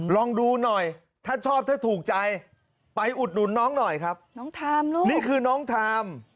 ลองดูหน่อยถ้าชอบถ้าถูกใจไปอุดหนุนน้องหน่อยครับน้องทามลูกนี่คือน้องไทม์